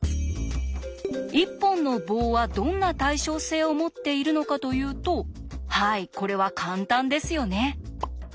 一本の棒はどんな対称性を持っているのかというとはいこれは簡単ですよね。